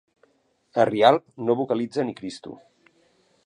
A Rialp no vocalitza ni cristo.